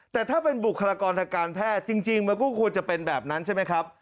แต่ถ้าเป็นบุคลากรทางการแพทย์จริงมันก็ควรจะเป็นแบบนั้นใช่ไหมครับ